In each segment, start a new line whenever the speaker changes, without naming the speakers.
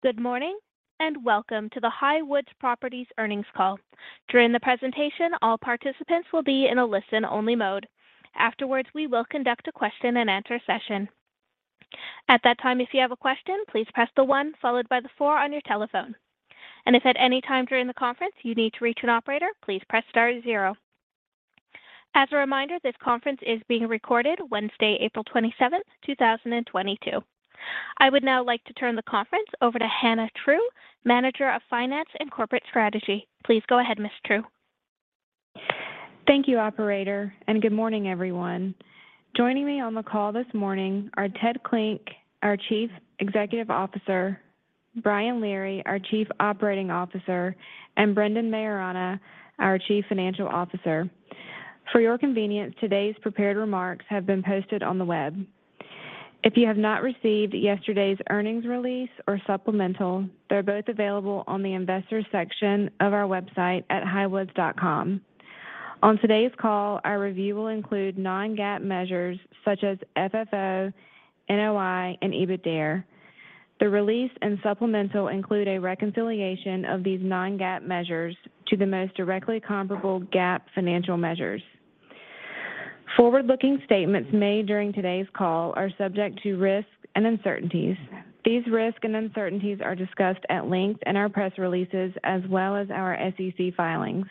Good morning, and welcome to the Highwoods Properties Earnings Call. During the presentation, all participants will be in a listen-only mode. Afterwards, we will conduct a question-and-answer session. At that time, if you have a question, please press the one followed by the four on your telephone. If at any time during the conference you need to reach an operator, please press star zero. As a reminder, this conference is being recorded Wednesday, April twenty-seventh, two thousand and twenty-two. I would now like to turn the conference over to Hannah True, Manager of Finance and Corporate Strategy. Please go ahead, Ms. True.
Thank you, operator, and good morning, everyone. Joining me on the call this morning are Ted Klinck, our Chief Executive Officer, Brian Leary, our Chief Operating Officer, and Brendan Maiorana, our Chief Financial Officer. For your convenience, today's prepared remarks have been posted on the web. If you have not received yesterday's earnings release or supplemental, they're both available on the Investors section of our website at highwoods.com. On today's call, our review will include non-GAAP measures such as FFO, NOI, and EBITDAre. The release and supplemental include a reconciliation of these non-GAAP measures to the most directly comparable GAAP financial measures. Forward-looking statements made during today's call are subject to risks and uncertainties. These risks and uncertainties are discussed at length in our press releases as well as our SEC filings.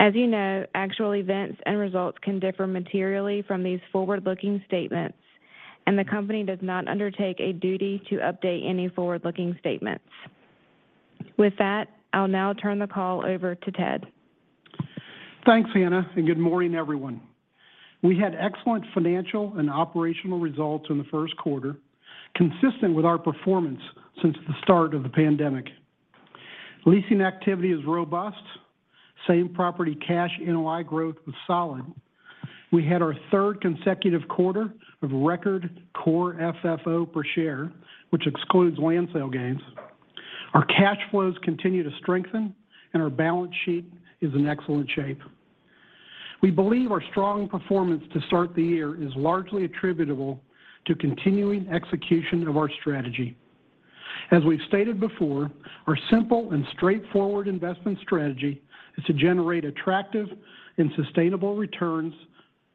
As you know, actual events and results can differ materially from these forward-looking statements, and the company does not undertake a duty to update any forward-looking statements. With that, I'll now turn the call over to Ted.
Thanks, Hannah, and good morning, everyone. We had excellent financial and operational results in the first quarter, consistent with our performance since the start of the pandemic. Leasing activity is robust. Same-property cash NOI growth was solid. We had our third consecutive quarter of record core FFO per share, which excludes land sale gains. Our cash flows continue to strengthen, and our balance sheet is in excellent shape. We believe our strong performance to start the year is largely attributable to continuing execution of our strategy. As we've stated before, our simple and straightforward investment strategy is to generate attractive and sustainable returns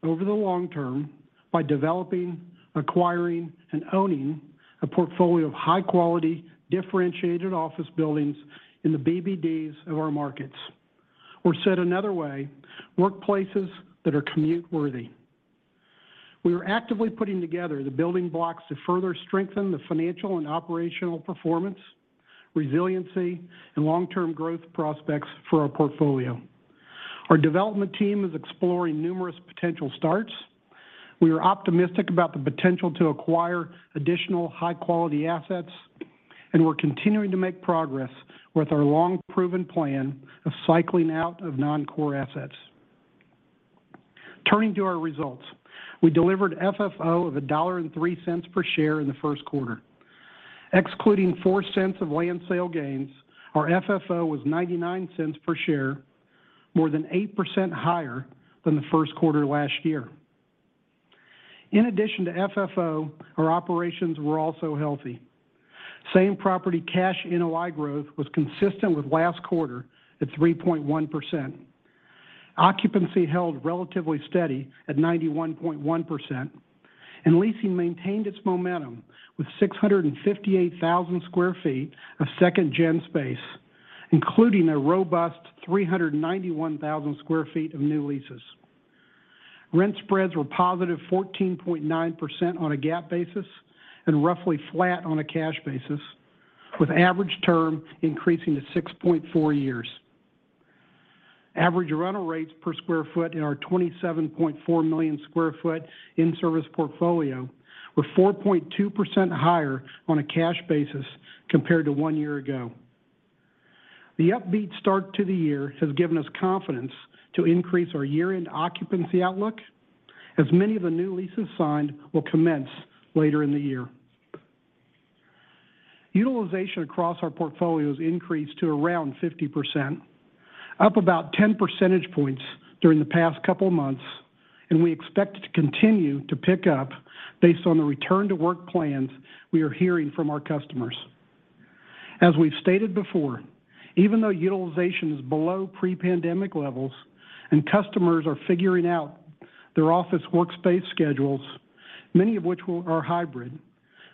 over the long term by developing, acquiring, and owning a portfolio of high-quality, differentiated office buildings in the BBDs of our markets, or said another way, workplaces that are commute worthy. We are actively putting together the building blocks to further strengthen the financial and operational performance, resiliency, and long-term growth prospects for our portfolio. Our development team is exploring numerous potential starts. We are optimistic about the potential to acquire additional high-quality assets, and we're continuing to make progress with our long-proven plan of cycling out of non-core assets. Turning to our results, we delivered FFO of $1.03 per share in the first quarter. Excluding 4 cents of land sale gains, our FFO was $0.99 per share, more than 8% higher than the first quarter last year. In addition to FFO, our operations were also healthy. Same-property cash NOI growth was consistent with last quarter at 3.1%. Occupancy held relatively steady at 91.1%, and leasing maintained its momentum with 658,000 sq ft of second gen space, including a robust 391,000 sq ft of new leases. Rent spreads were positive 14.9% on a GAAP basis and roughly flat on a cash basis, with average term increasing to 6.4 years. Average rental rates per square foot in our 27.4 million sq ft in-service portfolio were 4.2% higher on a cash basis compared to 1 year ago. The upbeat start to the year has given us confidence to increase our year-end occupancy outlook, as many of the new leases signed will commence later in the year. Utilization across our portfolios increased to around 50%, up about 10 percentage points during the past couple of months, and we expect it to continue to pick up based on the return-to-work plans we are hearing from our customers. As we've stated before, even though utilization is below pre-pandemic levels and customers are figuring out their office workspace schedules, many of which are hybrid,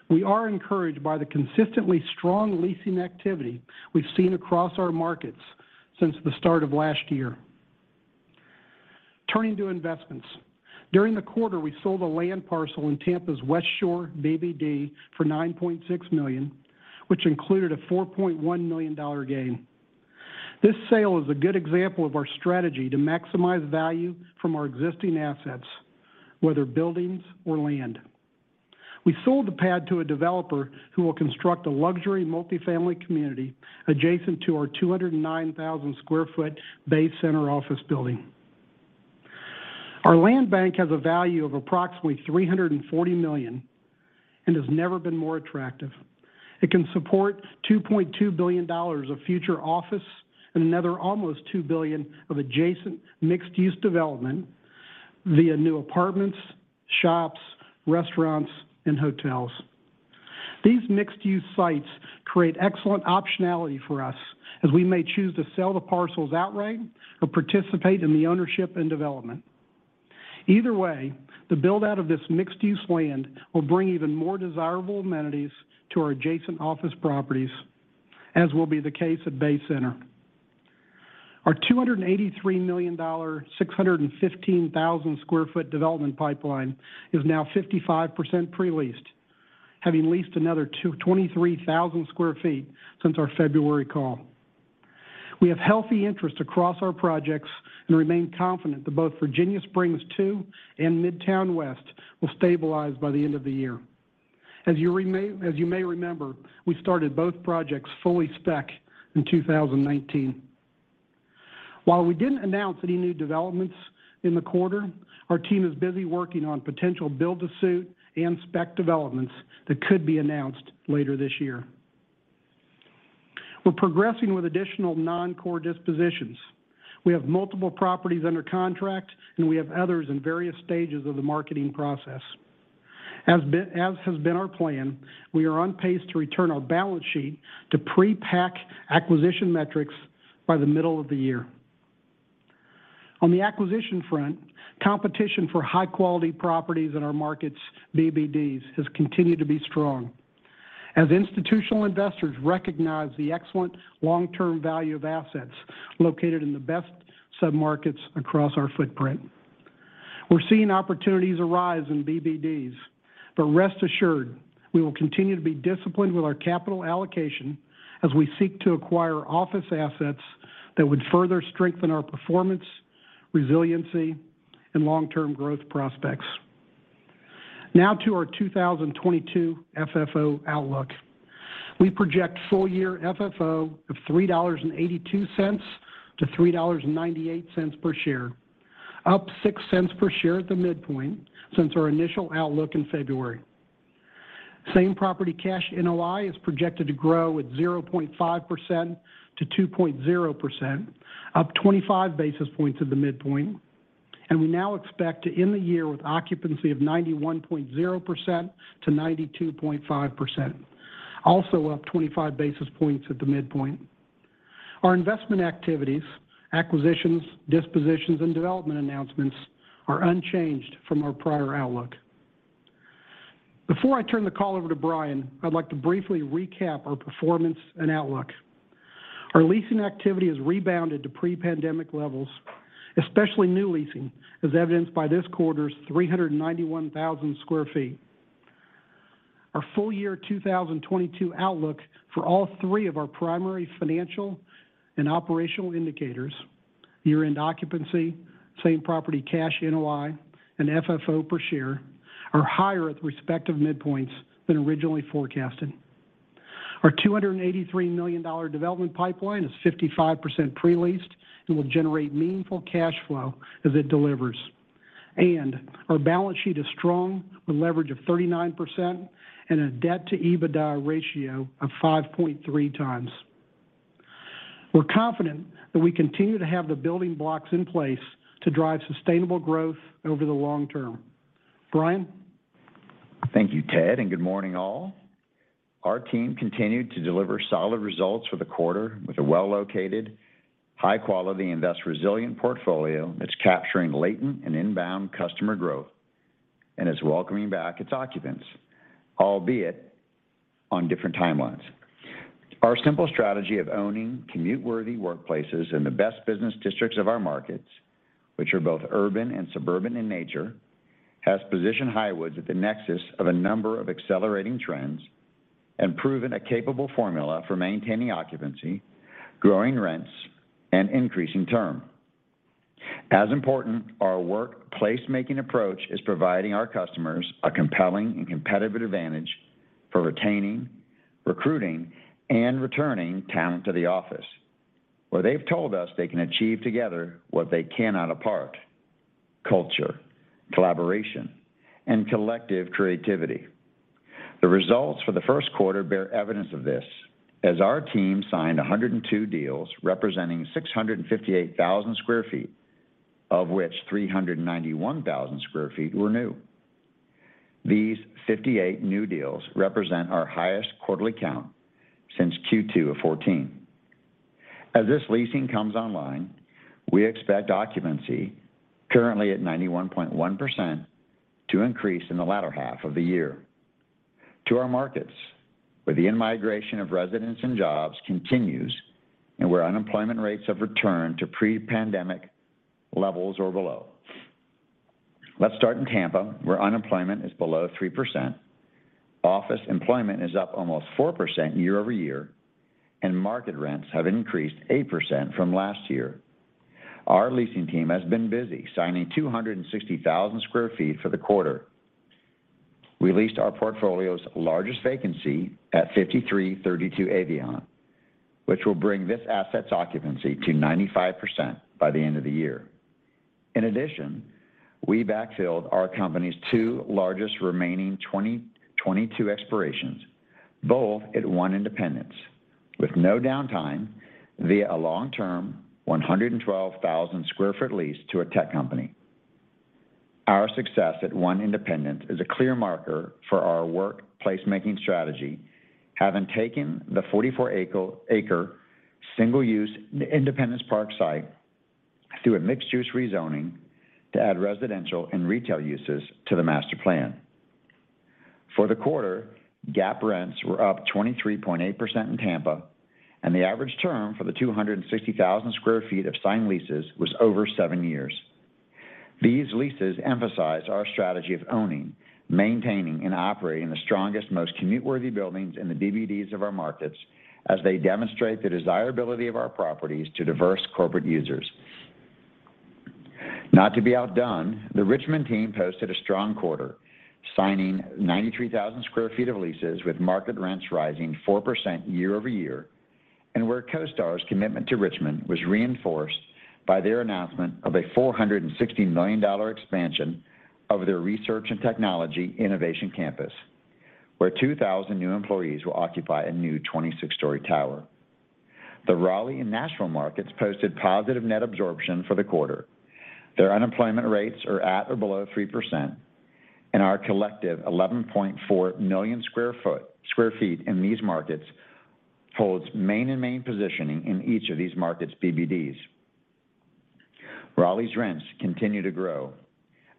we are encouraged by the consistently strong leasing activity we've seen across our markets since the start of last year. Turning to investments. During the quarter, we sold a land parcel in Tampa's Westshore BBD for $9.6 million, which included a $4.1 million dollar gain. This sale is a good example of our strategy to maximize value from our existing assets, whether buildings or land. We sold the pad to a developer who will construct a luxury multi-family community adjacent to our 209,000 sq ft Bay Center office building. Our land bank has a value of approximately $340 million and has never been more attractive. It can support $2.2 billion of future office and another almost $2 billion of adjacent mixed-use development via new apartments, shops, restaurants, and hotels. These mixed-use sites create excellent optionality for us as we may choose to sell the parcels outright or participate in the ownership and development. Either way, the build-out of this mixed-use land will bring even more desirable amenities to our adjacent office properties, as will be the case at Bay Center. Our $283 million, 615,000 sq ft development pipeline is now 55% pre-leased, having leased another 23,000 sq ft since our February call. We have healthy interest across our projects and remain confident that both Virginia Springs 2 and Midtown West will stabilize by the end of the year. As you may remember, we started both projects fully spec in 2019. While we didn't announce any new developments in the quarter, our team is busy working on potential build to suit and spec developments that could be announced later this year. We're progressing with additional non-core dispositions. We have multiple properties under contract, and we have others in various stages of the marketing process. As has been our plan, we are on pace to return our balance sheet to pre-PAC acquisition metrics by the middle of the year. On the acquisition front, competition for high-quality properties in our markets' BBDs has continued to be strong as institutional investors recognize the excellent long-term value of assets located in the best submarkets across our footprint. We're seeing opportunities arise in BBDs, but rest assured, we will continue to be disciplined with our capital allocation as we seek to acquire office assets that would further strengthen our performance, resiliency, and long-term growth prospects. Now to our 2022 FFO outlook. We project full year FFO of $3.82-$3.98 per share, up 6 cents per share at the midpoint since our initial outlook in February. Same-property cash NOI is projected to grow at 0.5% to 2.0%, up 25 basis points at the midpoint. We now expect to end the year with occupancy of 91.0% to 92.5%, also up 25 basis points at the midpoint. Our investment activities, acquisitions, dispositions, and development announcements are unchanged from our prior outlook. Before I turn the call over to Brian, I'd like to briefly recap our performance and outlook. Our leasing activity has rebounded to pre-pandemic levels, especially new leasing, as evidenced by this quarter's 391,000 sq ft. Our full year 2022 outlook for all three of our primary financial and operational indicators, year-end occupancy, same property cash NOI, and FFO per share, are higher at the respective midpoints than originally forecasted. Our $283 million development pipeline is 55% pre-leased and will generate meaningful cash flow as it delivers. Our balance sheet is strong, with leverage of 39% and a debt-to-EBITDA ratio of 5.3x. We're confident that we continue to have the building blocks in place to drive sustainable growth over the long term. Brian.
Thank you, Ted, and good morning, all. Our team continued to deliver solid results for the quarter with a well-located, high-quality, and thus resilient portfolio that's capturing latent and inbound customer growth and is welcoming back its occupants, albeit on different timelines. Our simple strategy of owning commute-worthy workplaces in the best business districts of our markets, which are both urban and suburban in nature, has positioned Highwoods at the nexus of a number of accelerating trends and proven a capable formula for maintaining occupancy, growing rents, and increasing term. As important, our workplace making approach is providing our customers a compelling and competitive advantage for retaining, recruiting, and returning talent to the office, where they've told us they can achieve together what they cannot apart, culture, collaboration, and collective creativity. The results for the first quarter bear evidence of this as our team signed 102 deals representing 658,000 sq ft, of which 391,000 sq ft were new. These 58 new deals represent our highest quarterly count since Q2 of 2014. As this leasing comes online, we expect occupancy, currently at 91.1%, to increase in the latter half of the year. In our markets, where the in-migration of residents and jobs continues, and where unemployment rates have returned to pre-pandemic levels or below. Let's start in Tampa, where unemployment is below 3%, office employment is up almost 4% year-over-year, and market rents have increased 8% from last year. Our leasing team has been busy signing 260,000 sq ft for the quarter. We leased our portfolio's largest vacancy at 53-32 Avion, which will bring this asset's occupancy to 95% by the end of the year. In addition, we backfilled our company's two largest remaining 2022 expirations. Both at One Independence, with no downtime via a long-term 112,000 sq ft lease to a tech company. Our success at One Independence is a clear marker for our placemaking strategy, having taken the 44-acre single-use Independence Park site through a mixed-use rezoning to add residential and retail uses to the master plan. For the quarter, GAAP rents were up 23.8% in Tampa, and the average term for the 260,000 sq ft of signed leases was over 7 years. These leases emphasize our strategy of owning, maintaining, and operating the strongest, most commute-worthy buildings in the BBDs of our markets as they demonstrate the desirability of our properties to diverse corporate users. Not to be outdone, the Richmond team posted a strong quarter, signing 93,000 sq ft of leases with market rents rising 4% year-over-year, and where CoStar's commitment to Richmond was reinforced by their announcement of a $460 million expansion of their research and technology innovation campus, where 2,000 new employees will occupy a new 26-story tower. The Raleigh and Nashville markets posted positive net absorption for the quarter. Their unemployment rates are at or below 3%, and our collective 11.4 million sq ft in these markets holds premier and premium positioning in each of these markets' BBDs. Raleigh's rents continue to grow,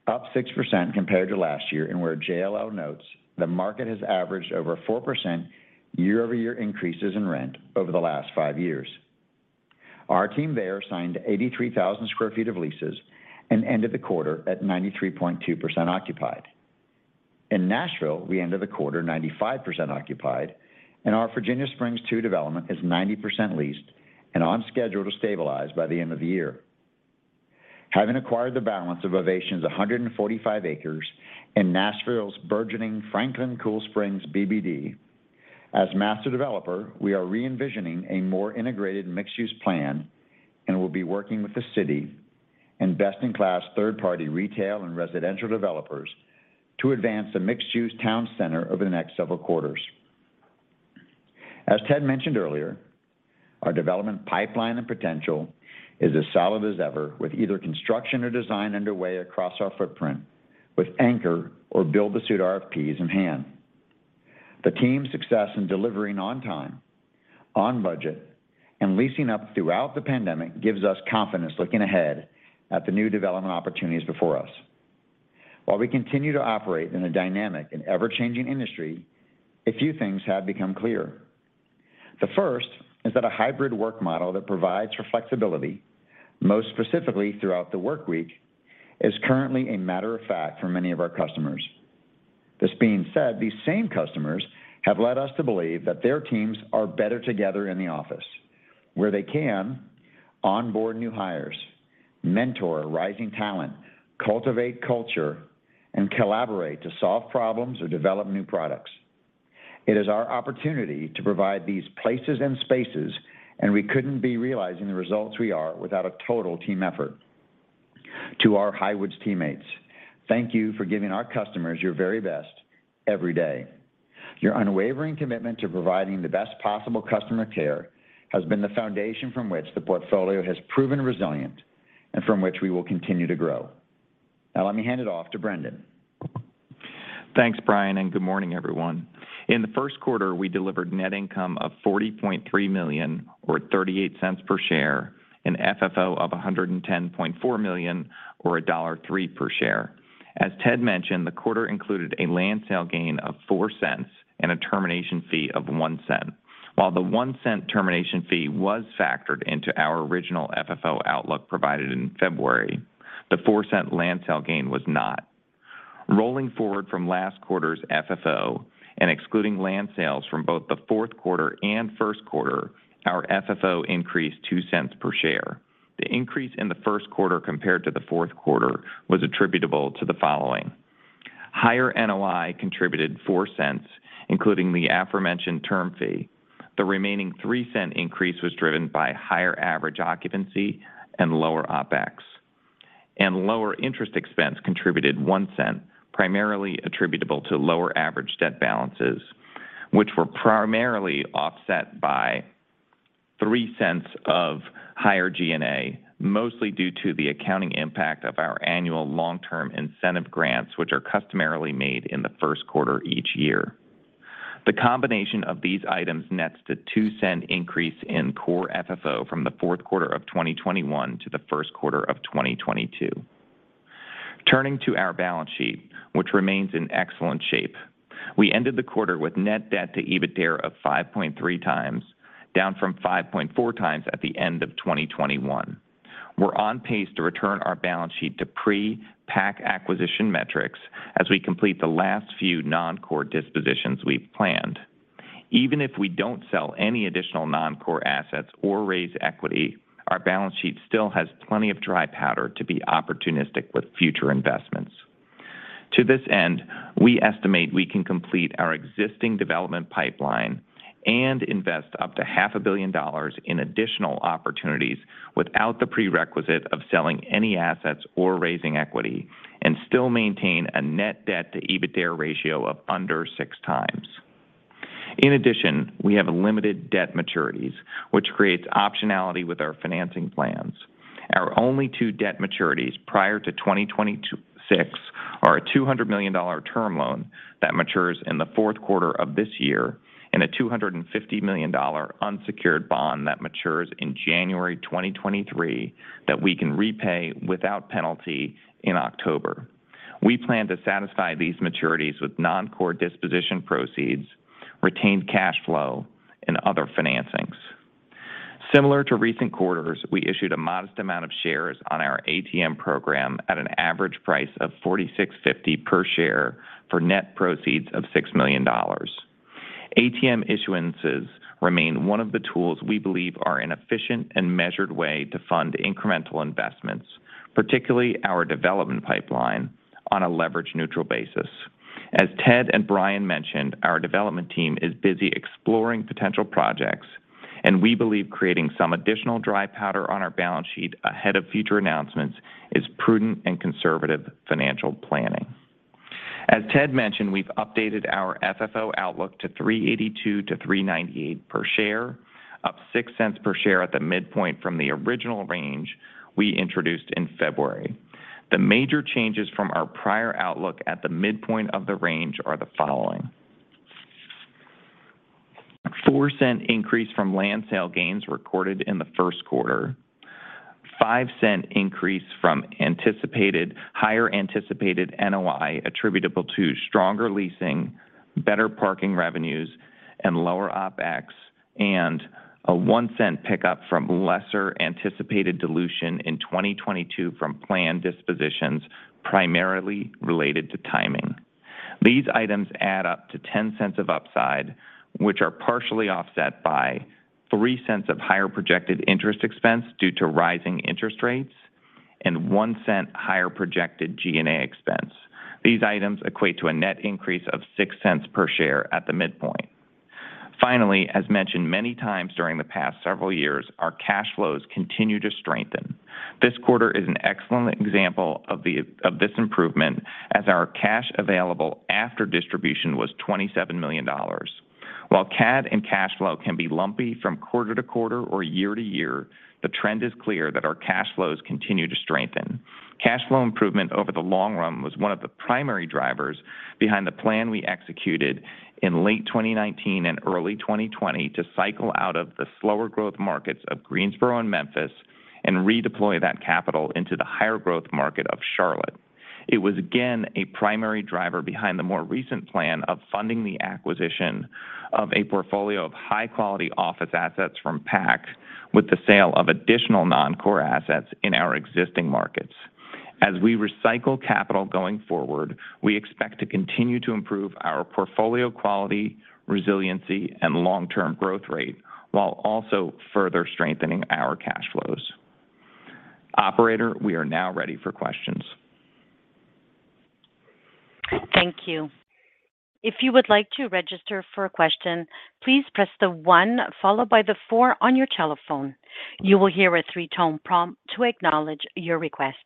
up 6% compared to last year, and where JLL notes the market has averaged over 4% year-over-year increases in rent over the last 5 years. Our team there signed 83,000 sq ft of leases and ended the quarter at 93.2% occupied. In Nashville, we ended the quarter 95% occupied, and our Virginia Springs Two development is 90% leased and on schedule to stabilize by the end of the year. Having acquired the balance of Ovation's 145 acres in Nashville's burgeoning Franklin Cool Springs BBD. As master developer, we are re-envisioning a more integrated mixed use plan and will be working with the city and best in class third party retail and residential developers to advance the mixed use town center over the next several quarters. As Ted mentioned earlier, our development pipeline and potential is as solid as ever with either construction or design underway across our footprint with anchor or build to suit RFPs in hand. The team's success in delivering on time, on budget, and leasing up throughout the pandemic gives us confidence looking ahead at the new development opportunities before us. While we continue to operate in a dynamic and ever-changing industry, a few things have become clear. The first is that a hybrid work model that provides for flexibility, most specifically throughout the work week, is currently a matter of fact for many of our customers. This being said, these same customers have led us to believe that their teams are better together in the office, where they can onboard new hires, mentor rising talent, cultivate culture, and collaborate to solve problems or develop new products. It is our opportunity to provide these places and spaces, and we couldn't be realizing the results we are without a total team effort. To our Highwoods teammates, thank you for giving our customers your very best every day. Your unwavering commitment to providing the best possible customer care has been the foundation from which the portfolio has proven resilient and from which we will continue to grow. Now let me hand it off to Brendan.
Thanks, Brian, and good morning, everyone. In the first quarter, we delivered net income of $40.3 million or $0.38 per share and FFO of $110.4 million or $1.03 per share. As Ted mentioned, the quarter included a land sale gain of $0.04 and a termination fee of $0.01. While the $0.01 termination fee was factored into our original FFO outlook provided in February, the $0.04 land sale gain was not. Rolling forward from last quarter's FFO and excluding land sales from both the fourth quarter and first quarter, our FFO increased $0.02 per share. The increase in the first quarter compared to the fourth quarter was attributable to the following. Higher NOI contributed $0.04, including the aforementioned termination fee. The remaining $0.03 increase was driven by higher average occupancy and lower OpEx. Lower interest expense contributed $0.01, primarily attributable to lower average debt balances, which were primarily offset by $0.03 of higher G&A, mostly due to the accounting impact of our annual long-term incentive grants, which are customarily made in the first quarter each year. The combination of these items nets the $0.02 increase in core FFO from the fourth quarter of 2021 to the first quarter of 2022. Turning to our balance sheet, which remains in excellent shape. We ended the quarter with net debt to EBITDA of 5.3 times, down from 5.4 times at the end of 2021. We're on pace to return our balance sheet to pre-PAC acquisition metrics as we complete the last few non-core dispositions we've planned. Even if we don't sell any additional non-core assets or raise equity, our balance sheet still has plenty of dry powder to be opportunistic with future investments. To this end, we estimate we can complete our existing development pipeline and invest up to half a billion dollars in additional opportunities without the prerequisite of selling any assets or raising equity and still maintain a net debt to EBITDA ratio of under 6x. In addition, we have limited debt maturities, which creates optionality with our financing plans. Our only two debt maturities prior to 2026 are a $200 million term loan that matures in the fourth quarter of this year and a $250 million unsecured bond that matures in January 2023 that we can repay without penalty in October. We plan to satisfy these maturities with non-core disposition proceeds, retained cash flow and other financings. Similar to recent quarters, we issued a modest amount of shares on our ATM program at an average price of $46.50 per share for net proceeds of $6 million. ATM issuances remain one of the tools we believe are an efficient and measured way to fund incremental investments, particularly our development pipeline, on a leverage neutral basis. As Ted and Brian mentioned, our development team is busy exploring potential projects, and we believe creating some additional dry powder on our balance sheet ahead of future announcements is prudent and conservative financial planning. As Ted mentioned, we've updated our FFO outlook to $3.82-$3.98 per share, up 6 cents per share at the midpoint from the original range we introduced in February. The major changes from our prior outlook at the midpoint of the range are the following. $0.04 increase from land sale gains recorded in the first quarter, $0.05 increase from higher anticipated NOI attributable to stronger leasing, better parking revenues and lower OpEx, and a $0.01 pickup from lesser anticipated dilution in 2022 from planned dispositions primarily related to timing. These items add up to $0.10 of upside, which are partially offset by $0.03 of higher projected interest expense due to rising interest rates and $0.01 higher projected G&A expense. These items equate to a net increase of $0.06 per share at the midpoint. Finally, as mentioned many times during the past several years, our cash flows continue to strengthen. This quarter is an excellent example of this improvement as our cash available after distribution was $27 million. While CAD and cash flow can be lumpy from quarter to quarter or year to year, the trend is clear that our cash flows continue to strengthen. Cash flow improvement over the long run was one of the primary drivers behind the plan we executed in late 2019 and early 2020 to cycle out of the slower growth markets of Greensboro and Memphis and redeploy that capital into the higher growth market of Charlotte. It was again a primary driver behind the more recent plan of funding the acquisition of a portfolio of high-quality office assets from PAC with the sale of additional non-core assets in our existing markets. As we recycle capital going forward, we expect to continue to improve our portfolio quality, resiliency and long-term growth rate while also further strengthening our cash flows. Operator, we are now ready for questions.
Thank you. If you would like to register for a question, please press the 1 followed by the 4 on your telephone. You will hear a 3-tone prompt to acknowledge your request.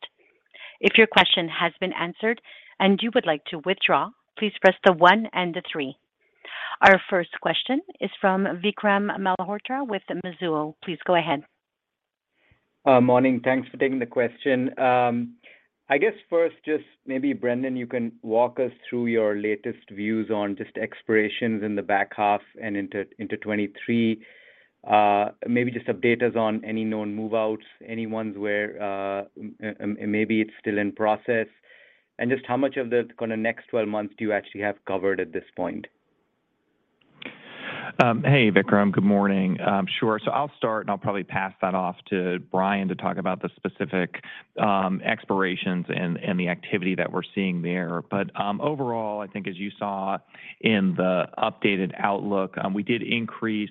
If your question has been answered and you would like to withdraw, please press the 1 and the 3. Our first question is from Vikram Malhotra with Mizuho. Please go ahead.
Morning. Thanks for taking the question. I guess first just maybe, Brendan, you can walk us through your latest views on just expirations in the back half and into 2023. Maybe just update us on any known move-outs, any ones where maybe it's still in process, and just how much of the kind of next 12 months do you actually have covered at this point?
Hey, Vikram. Good morning. Sure. I'll start, and I'll probably pass that off to Brian to talk about the specific expirations and the activity that we're seeing there. Overall, I think as you saw in the updated outlook, we did increase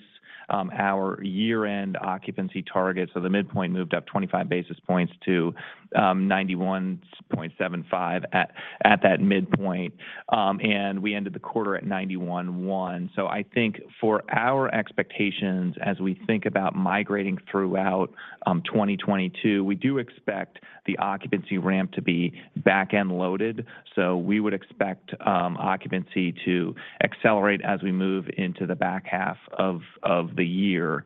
our year-end occupancy targets. The midpoint moved up 25 basis points to 91.75% at that midpoint, and we ended the quarter at 91.1%. I think for our expectations as we think about migrating throughout 2022, we do expect the occupancy ramp to be back-end loaded. We would expect occupancy to accelerate as we move into the back half of the year.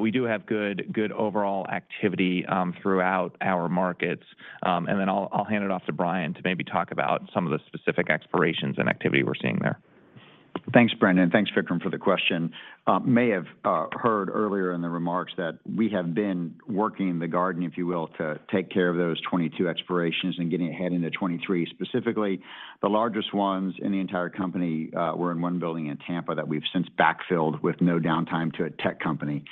We do have good overall activity throughout our markets. I'll hand it off to Brian to maybe talk about some of the specific expirations and activity we're seeing there.
Thanks, Brendan. Thanks, Vikram, for the question. You may have heard earlier in the remarks that we have been working the garden, if you will, to take care of those 22 expirations and getting ahead into 2023. Specifically, the largest ones in the entire company were in one building in Tampa that we've since backfilled with no downtime to a tech company.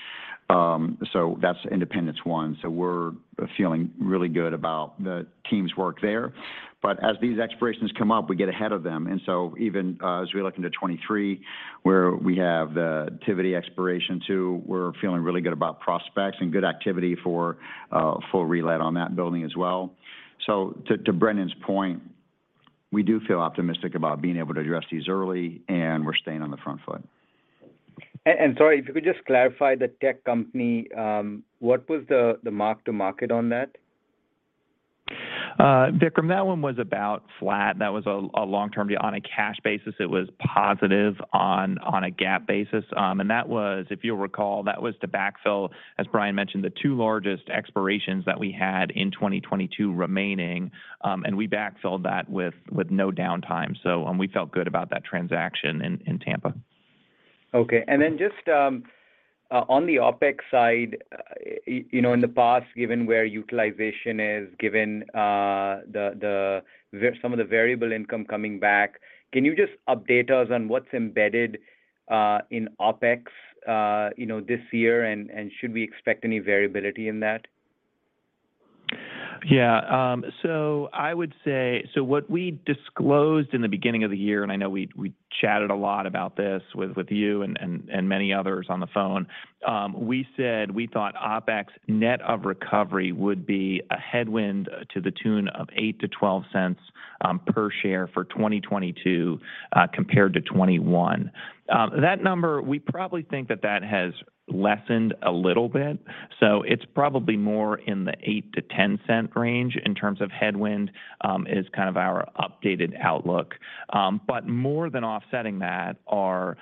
That's Independence One. We're feeling really good about the team's work there. As these expirations come up, we get ahead of them. Even as we look into 2023, where we have the Tivity expiration too, we're feeling really good about prospects and good activity for full relet on that building as well. To Brendan's point
We do feel optimistic about being able to address these early, and we're staying on the front foot.
Sorry, if you could just clarify the tech company, what was the mark to market on that?
Vikram, that one was about flat. That was a long-term deal. On a cash basis, it was positive on a GAAP basis. That was, if you'll recall, to backfill, as Brian mentioned, the two largest expirations that we had in 2022 remaining, and we backfilled that with no downtime. We felt good about that transaction in Tampa.
Just on the OpEx side, you know, in the past, given where utilization is, given some of the variable income coming back, can you just update us on what's embedded in OpEx, you know, this year and should we expect any variability in that?
Yeah. What we disclosed in the beginning of the year, and I know we chatted a lot about this with you and many others on the phone, we said we thought OpEx net of recovery would be a headwind to the tune of $0.08-$0.12 per share for 2022 compared to 2021. That number, we probably think that has lessened a little bit. It's probably more in the $0.08-$0.10 cents range in terms of headwind is kind of our updated outlook. More than offsetting that are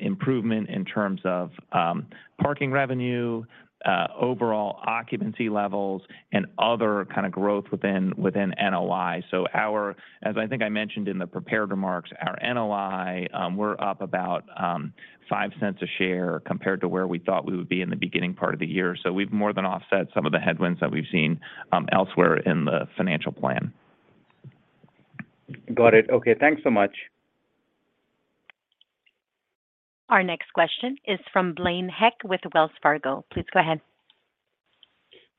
improvement in terms of parking revenue, overall occupancy levels and other kind of growth within NOI. As I think I mentioned in the prepared remarks, our NOI, we're up about $0.05 a share compared to where we thought we would be in the beginning part of the year. We've more than offset some of the headwinds that we've seen elsewhere in the financial plan.
Got it. Okay. Thanks so much.
Our next question is from Blaine Heck with Wells Fargo. Please go ahead.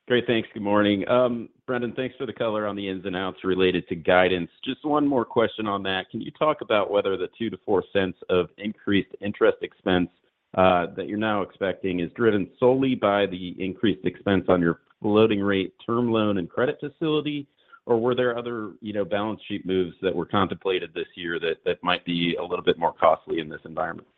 Great. Thanks. Good morning. Brendan, thanks for the color on the ins and outs related to guidance. Just one more question on that. Can you talk about whether the $0.02-$0.04 of increased interest expense that you're now expecting is driven solely by the increased expense on your floating rate term loan and credit facility, or were there other, you know, balance sheet moves that were contemplated this year that might be a little bit more costly in this environment?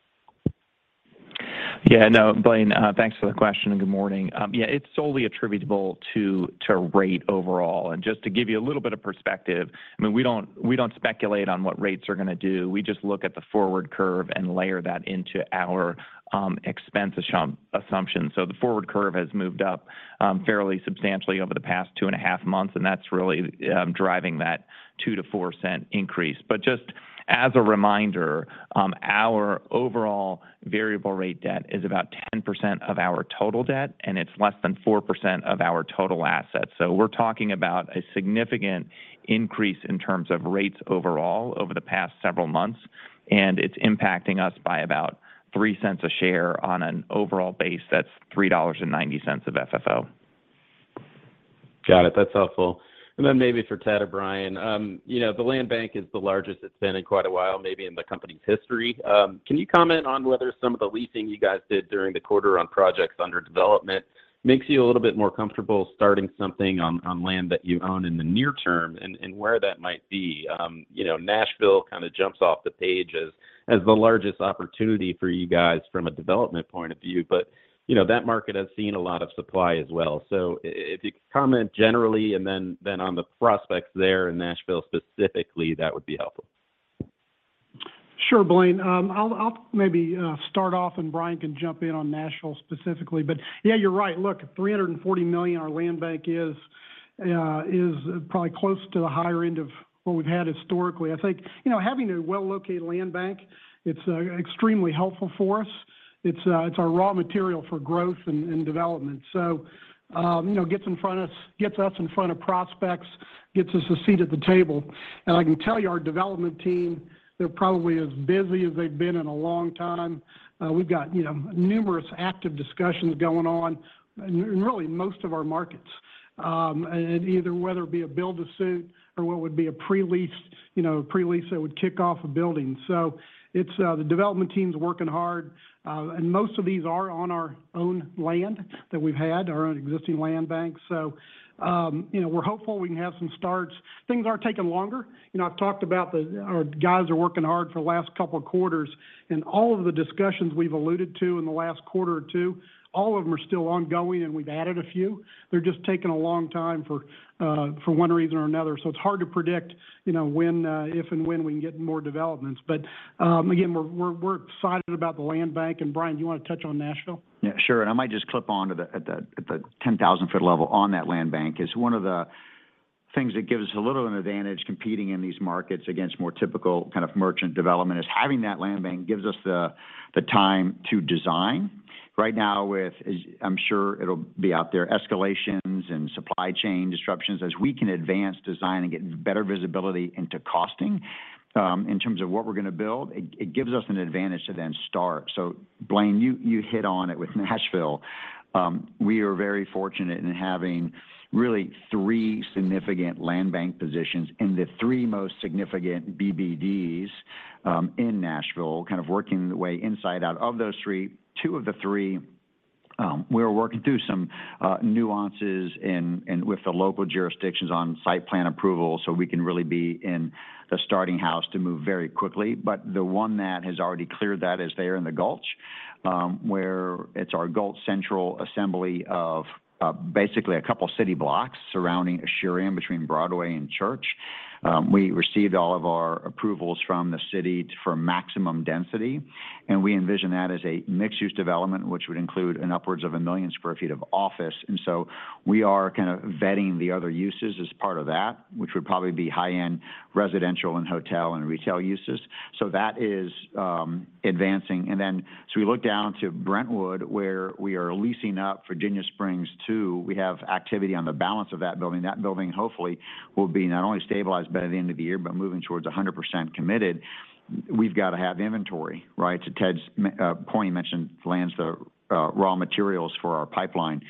Yeah, no, Blaine, thanks for the question, and good morning. Yeah, it's solely attributable to rate overall. Just to give you a little bit of perspective, I mean, we don't speculate on what rates are gonna do, we just look at the forward curve and layer that into our expense assumption. The forward curve has moved up fairly substantially over the past 2.5 months, and that's really driving that 2-4 cent increase. Just as a reminder, our overall variable rate debt is about 10% of our total debt, and it's less than 4% of our total assets. We're talking about a significant increase in terms of rates overall over the past several months, and it's impacting us by about $0.03 a share on an overall base that's $3.90 of FFO.
Got it. That's helpful. Maybe for Ted or Brian. You know, the land bank is the largest it's been in quite a while, maybe in the company's history. Can you comment on whether some of the leasing you guys did during the quarter on projects under development makes you a little bit more comfortable starting something on land that you own in the near term and where that might be? You know, Nashville kind of jumps off the page as the largest opportunity for you guys from a development point of view. You know, that market has seen a lot of supply as well. If you could comment generally and then on the prospects there in Nashville specifically, that would be helpful.
Sure, Blaine. I'll maybe start off and Brian can jump in on Nashville specifically. Yeah, you're right. Look, $340 million, our land bank is probably close to the higher end of what we've had historically. I think, you know, having a well-located land bank, it's our raw material for growth and development. You know, gets us in front of prospects, gets us a seat at the table. I can tell you, our development team, they're probably as busy as they've been in a long time. We've got, you know, numerous active discussions going on in really most of our markets, and either whether it be a build to suit or what would be a pre-lease, you know, pre-lease that would kick off a building. The development team's working hard, and most of these are on our own land that we've had, our own existing land banks. You know, we're hopeful we can have some starts. Things are taking longer. You know, I've talked about our guys are working hard for the last couple of quarters. All of the discussions we've alluded to in the last quarter or two, all of them are still ongoing, and we've added a few. They're just taking a long time for one reason or another. It's hard to predict, you know, when, if and when we can get more developments. But again, we're excited about the land bank. Brian, you want to touch on Nashville? Yeah, sure. I might just chime in on the 10,000-foot level on that land bank. It is one of the things that gives us a little advantage competing in these markets against more typical kind of merchant development. Having that land bank gives us the time to design. Right now with what I'm sure is out there, escalations and supply chain disruptions, as we can advance design and get better visibility into costing, in terms of what we're gonna build, it gives us an advantage to then start. Blaine, you hit on it with Nashville. We are very fortunate in having really three significant land bank positions in the three most significant BBDs in Nashville, kind of working the way inside out. Of those three, two of the three
We are working through some nuances within the local jurisdictions on site plan approval, so we can really be in the starting gate to move very quickly. The one that has already cleared that is there in The Gulch, where it's our Gulch Central assemblage of basically a couple of city blocks surrounding Asurion between Broadway and Church. We received all of our approvals from the city for maximum density, and we envision that as a mixed-use development, which would include upwards of 1 million sq ft of office. We are kind of vetting the other uses as part of that, which would probably be high-end residential and hotel and retail uses. That is advancing. We look down to Brentwood, where we are leasing up Virginia Springs 2. We have activity on the balance of that building. That building hopefully will be not only stabilized by the end of the year, but moving towards 100% committed. We've got to have inventory, right? To Ted's point, he mentioned land as the raw materials for our pipeline,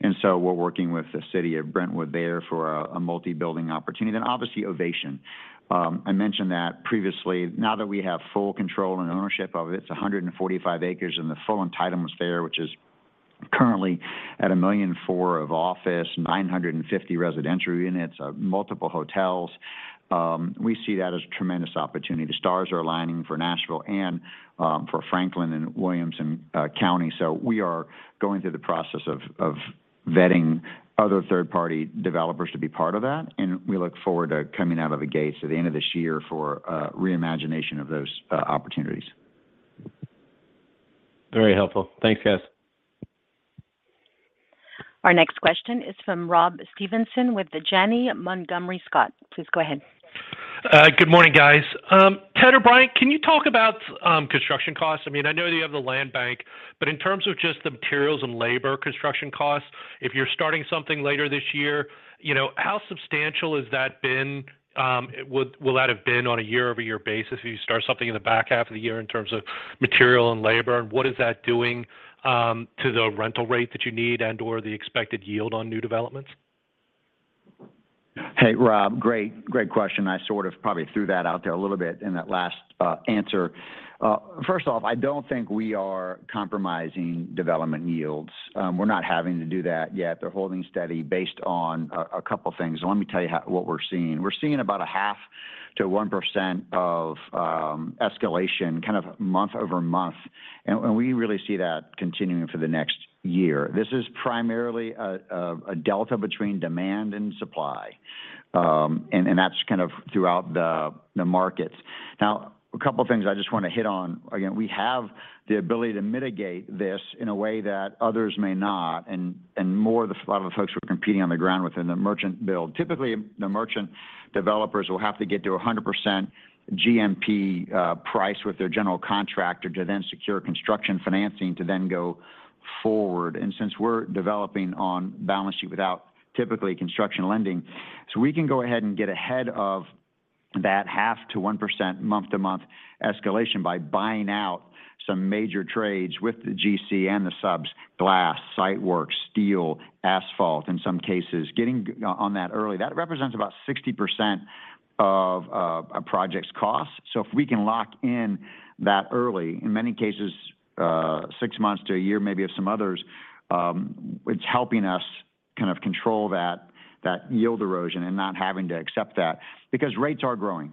and so we're working with the city of Brentwood there for a multi-building opportunity. Then obviously Ovation. I mentioned that previously. Now that we have full control and ownership of it's 145 acres, and the full entitlement is there, which is currently at 1.4 million of office, 950 residential units, multiple hotels. We see that as a tremendous opportunity. The stars are aligning for Nashville and for Franklin and Williamson County. We are going through the process of vetting other third-party developers to be part of that, and we look forward to coming out of the gates at the end of this year for a re-imagination of those opportunities.
Very helpful. Thanks, guys.
Our next question is from Rob Stevenson with Janney Montgomery Scott. Please go ahead.
Good morning, guys. Ted or Brian, can you talk about construction costs? I mean, I know that you have the land bank, but in terms of just the materials and labor construction costs, if you're starting something later this year, you know, how substantial has that been? Will that have been on a year-over-year basis if you start something in the back half of the year in terms of material and labor? What is that doing to the rental rate that you need and/or the expected yield on new developments?
Hey, Rob. Great question. I sort of probably threw that out there a little bit in that last answer. First off, I don't think we are compromising development yields. We're not having to do that yet. They're holding steady based on a couple things. Let me tell you what we're seeing. We're seeing about a half to one percent of escalation kind of month-over-month, and we really see that continuing for the next year. This is primarily a delta between demand and supply, and that's kind of throughout the markets. Now, a couple things I just wanna hit on. Again, we have the ability to mitigate this in a way that others may not and a lot of the folks who are competing on the ground within the merchant build. Typically, the merchant developers will have to get to 100% GMP price with their general contractor to then secure construction financing to then go forward. Since we're developing on balance sheet without typically construction lending, we can go ahead and get ahead of that 0.5%-1% month-to-month escalation by buying out some major trades with the GC and the subs, glass, site work, steel, asphalt in some cases. Getting on that early, that represents about 60% of a project's cost. If we can lock in that early, in many cases, six months to a year maybe of some others, it's helping us kind of control that yield erosion and not having to accept that because rates are growing.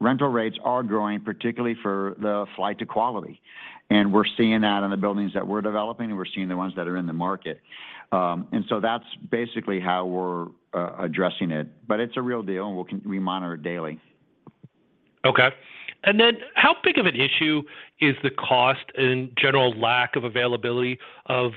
Rental rates are growing, particularly for the flight to quality, and we're seeing that in the buildings that we're developing, and we're seeing the ones that are in the market. That's basically how we're addressing it. It's a real deal, and we'll monitor it daily.
Okay. How big of an issue is the cost and general lack of availability of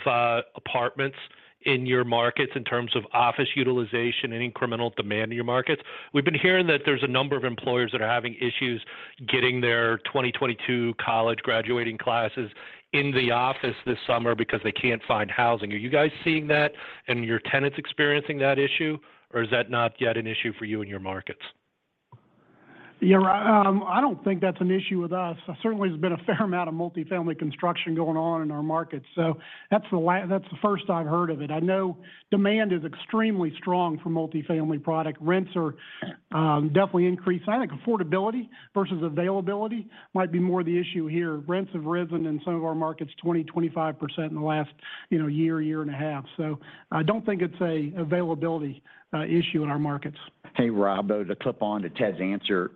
apartments in your markets in terms of office utilization and incremental demand in your markets? We've been hearing that there's a number of employers that are having issues getting their 2022 college graduating classes in the office this summer because they can't find housing. Are you guys seeing that? Are your tenants experiencing that issue, or is that not yet an issue for you in your markets?
Yeah. I don't think that's an issue with us. There certainly has been a fair amount of multifamily construction going on in our markets, so that's the first I've heard of it. I know demand is extremely strong for multifamily product. Rents are definitely increasing. I think affordability versus availability might be more the issue here. Rents have risen in some of our markets 20%-25% in the last, you know, year and a half. I don't think it's a availability issue in our markets.
Hey, Rob. To clip on to Ted's answer,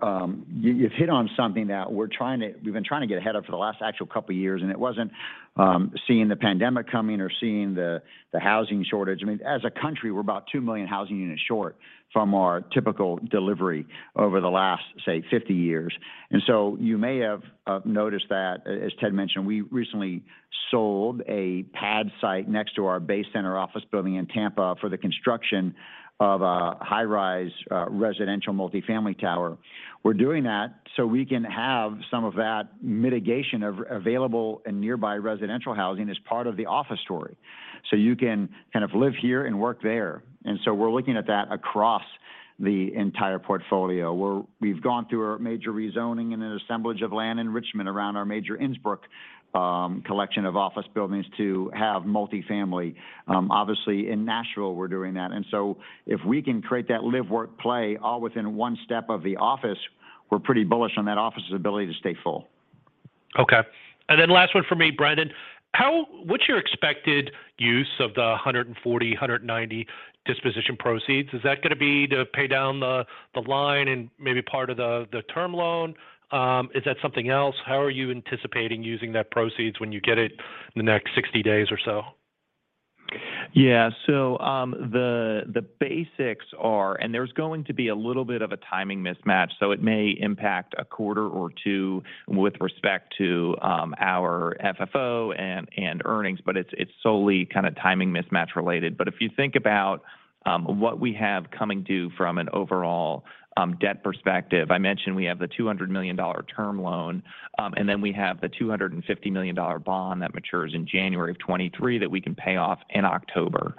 you've hit on something that we've been trying to get ahead of for the last actual couple years, and it wasn't seeing the pandemic coming or seeing the housing shortage. I mean, as a country, we're about 2 million housing units short from our typical delivery over the last, say, 50 years. You may have noticed that, as Ted mentioned, we recently sold a pad site next to our Bay Center office building in Tampa for the construction of a high-rise residential multifamily tower. We're doing that so we can have some of that mitigation available in nearby residential housing as part of the office story. You can kind of live here and work there. We're looking at that across the entire portfolio, where we've gone through a major rezoning and an assemblage of land in Richmond around our major Innsbrook collection of office buildings to have multifamily. Obviously in Nashville, we're doing that. If we can create that live, work, play all within one step of the office.
We're pretty bullish on that office's ability to stay full.
Okay. Last one for me, Brendan. What's your expected use of the $140, $190 disposition proceeds? Is that gonna be to pay down the line and maybe part of the term loan? Is that something else? How are you anticipating using that proceeds when you get it in the next 60 days or so?
Yeah. The basics are. There's going to be a little bit of a timing mismatch, so it may impact a quarter or two with respect to our FFO and earnings, but it's solely kind of timing mismatch related. If you think about what we have coming due from an overall debt perspective, I mentioned we have the $200 million term loan, and then we have the $250 million bond that matures in January 2023 that we can pay off in October.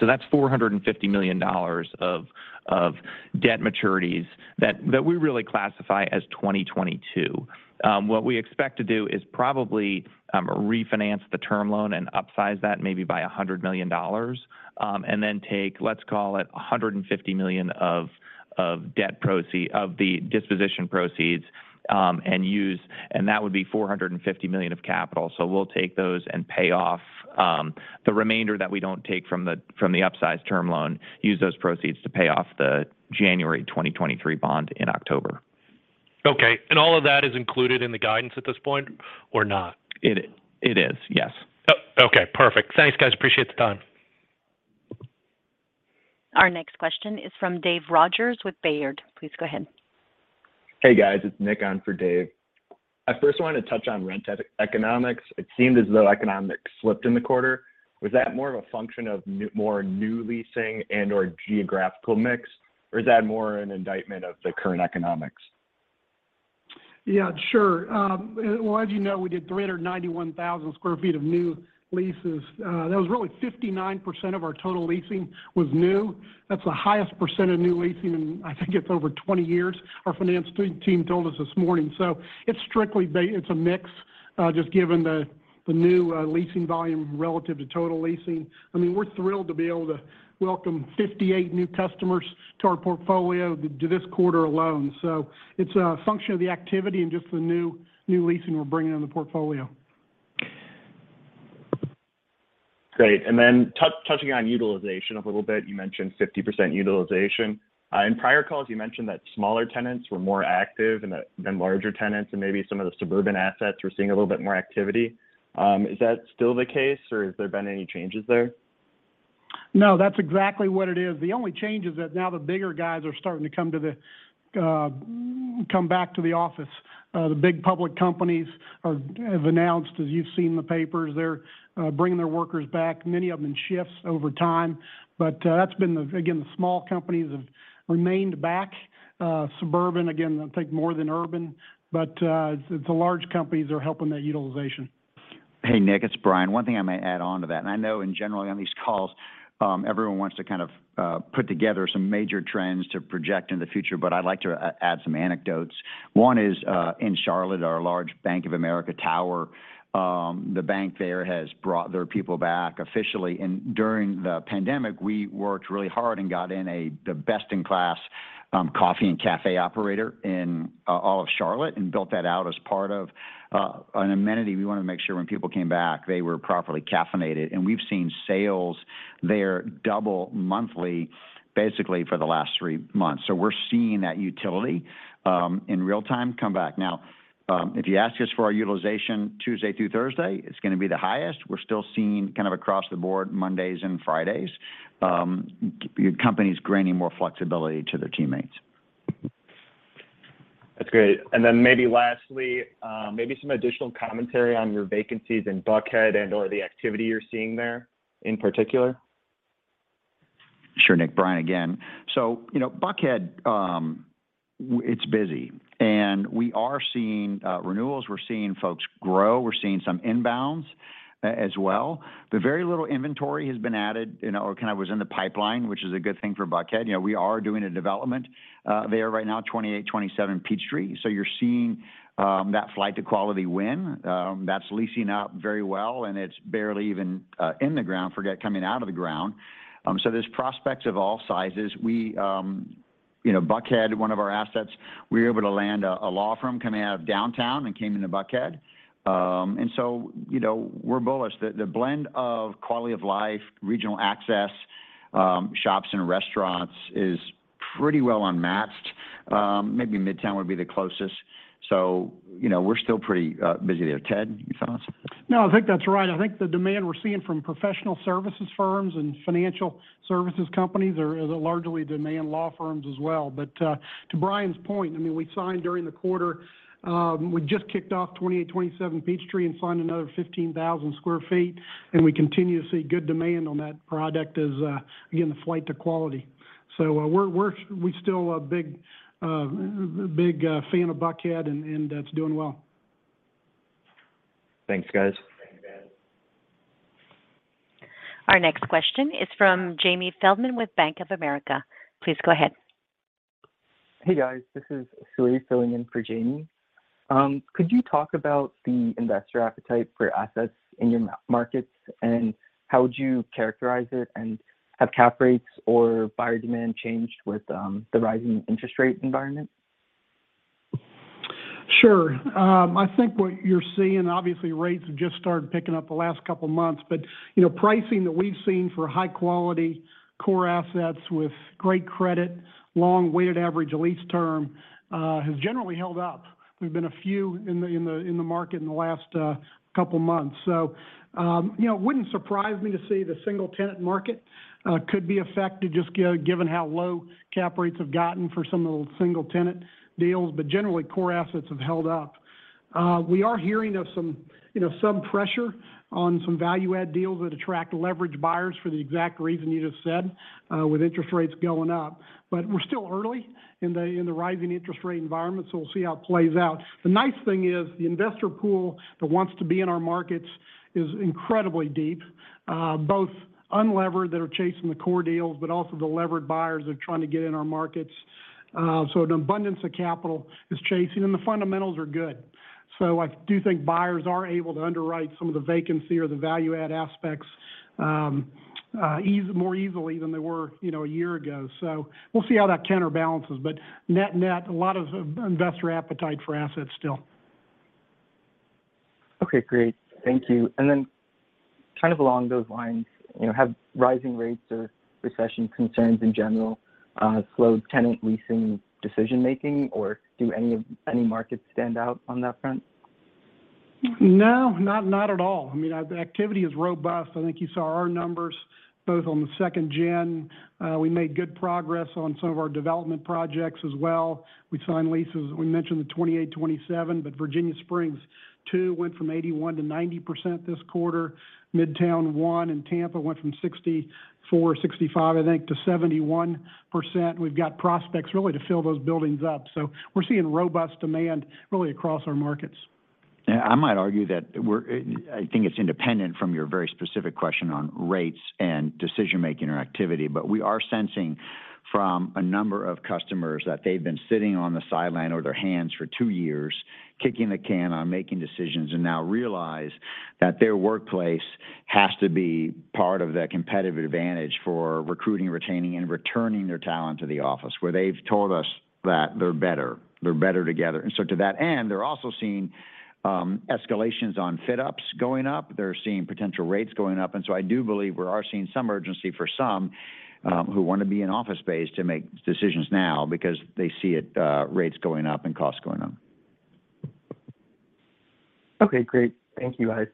That's $450 million of debt maturities that we really classify as 2022. What we expect to do is probably refinance the term loan and upsize that maybe by $100 million, and then take, let's call it $150 million of the disposition proceeds. That would be $450 million of capital. We'll take those and pay off the remainder that we don't take from the upsized term loan, use those proceeds to pay off the January 2023 bond in October.
Okay. All of that is included in the guidance at this point or not?
It is, yes.
Oh, okay. Perfect. Thanks, guys. Appreciate the time.
Our next question is from Dave Rodgers with Baird. Please go ahead.
Hey, guys. It's Nick on for Dave. I first wanted to touch on rent economics. It seemed as though economics slipped in the quarter. Was that more a function of more new leasing and/or geographical mix, or is that more an indictment of the current economics?
Yeah, sure. Well, as you know, we did 391,000 sq ft of new leases. That was really 59% of our total leasing was new. That's the highest percent of new leasing in, I think it's over 20 years, our finance team told us this morning. It's a mix, just given the new leasing volume relative to total leasing. I mean, we're thrilled to be able to welcome 58 new customers to our portfolio this quarter alone. It's a function of the activity and just the new leasing we're bringing in the portfolio.
Touching on utilization a little bit, you mentioned 50% utilization. In prior calls, you mentioned that smaller tenants were more active than larger tenants, and maybe some of the suburban assets were seeing a little bit more activity. Is that still the case, or has there been any changes there?
No, that's exactly what it is. The only change is that now the bigger guys are starting to come back to the office. The big public companies have announced, as you've seen in the papers, they're bringing their workers back, many of them in shifts over time. That's been the. Again, the small companies have remained back. Suburban, again, I think more than urban. The large companies are helping that utilization.
Hey, Nick, it's Brian. One thing I might add on to that. I know in general on these calls, everyone wants to kind of put together some major trends to project in the future, but I'd like to add some anecdotes. One is in Charlotte, our large Bank of America tower, the bank there has brought their people back officially. During the pandemic, we worked really hard and got the best in class coffee and cafe operator in all of Charlotte and built that out as part of an amenity. We wanna make sure when people came back, they were properly caffeinated. We've seen sales there double monthly, basically for the last three months. We're seeing that utility in real-time come back. Now, if you ask us for our utilization Tuesday through Thursday, it's gonna be the highest. We're still seeing kind of across the board Mondays and Fridays, companies granting more flexibility to their teammates.
That's great. Maybe lastly, maybe some additional commentary on your vacancies in Buckhead and/or the activity you're seeing there in particular.
Sure, Nick. Brian again. You know, Buckhead, it's busy. We are seeing renewals. We're seeing folks grow. We're seeing some inbounds as well. Very little inventory has been added, you know, or kind of was in the pipeline, which is a good thing for Buckhead. You know, we are doing a development there right now, 2827 Peachtree. You're seeing that flight to quality win. That's leasing out very well, and it's barely even in the ground, forget coming out of the ground. There's prospects of all sizes. You know, Buckhead, one of our assets, we were able to land a law firm coming out of downtown and came into Buckhead. You know, we're bullish. The blend of quality of life, regional access, shops and restaurants is pretty well unmatched. Maybe Midtown would be the closest. You know, we're still pretty busy there. Ted, you want to
No, I think that's right. I think the demand we're seeing from professional services firms and financial services companies are largely from law firms as well. To Brian's point, I mean, we signed during the quarter, we just kicked off 2827 Peachtree and signed another 15,000 sq ft, and we continue to see good demand on that product as, again, the flight to quality. We're still a big fan of Buckhead, and that's doing well.
Thanks, guys.
Our next question is from Jamie Feldman with Bank of America. Please go ahead.
Hey, guys. This is Sui filling in for Jamie. Could you talk about the investor appetite for assets in your markets, and how would you characterize it, and have cap rates or buyer demand changed with the rising interest rate environment?
Sure. I think what you're seeing, obviously rates have just started picking up the last couple months, but, you know, pricing that we've seen for high quality core assets with great credit, long weighted average lease term, has generally held up. We've been a few in the market in the last couple months. You know, it wouldn't surprise me to see the single tenant market could be affected just given how low cap rates have gotten for some of the single tenant deals. But generally, core assets have held up. We are hearing of some, you know, some pressure on some value add deals that attract leverage buyers for the exact reason you just said, with interest rates going up. We're still early in the rising interest rate environment, so we'll see how it plays out. The nice thing is the investor pool that wants to be in our markets is incredibly deep. Both unlevered that are chasing the core deals, but also the levered buyers are trying to get in our markets. An abundance of capital is chasing, and the fundamentals are good. I do think buyers are able to underwrite some of the vacancy or the value add aspects more easily than they were, you know, a year ago. We'll see how that counterbalances. Net-net, a lot of investor appetite for assets still.
Okay. Great. Thank you. Kind of along those lines, you know, have rising rates or recession concerns in general, slowed tenant leasing decision-making, or do any markets stand out on that front?
No, not at all. I mean, the activity is robust. I think you saw our numbers both on the second gen. We made good progress on some of our development projects as well. We signed leases, we mentioned the 28, 27, but Virginia Springs too went from 81% to 90% this quarter. Midtown West in Tampa went from 64-65%, I think, to 71%. We've got prospects really to fill those buildings up. We're seeing robust demand really across our markets.
Yeah, I might argue I think it's independent from your very specific question on rates and decision-making or activity. We are sensing from a number of customers that they've been sitting on the sidelines or their hands for two years, kicking the can on making decisions, and now realize that their workplace has to be part of that competitive advantage for recruiting, retaining, and returning their talent to the office, where they've told us that they're better, they're better together. To that end, they're also seeing escalations on fit-outs going up. They're seeing potential rates going up. I do believe we are seeing some urgency for some who want to be in office space to make decisions now because they see it rates going up and costs going up.
Okay, great. Thank you, guys.